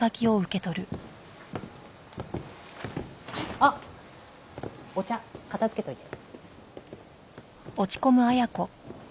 あっお茶片付けておいて。